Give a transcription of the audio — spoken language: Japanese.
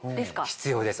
必要です